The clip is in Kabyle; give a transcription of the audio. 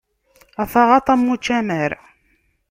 A taɣaṭ, am ucamar!